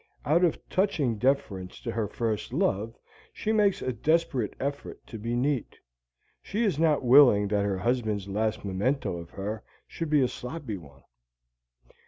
Out of touching deference to her first love she makes a desperate effort to be neat; she is not willing that her husband's last memento of her should be a sloppy one.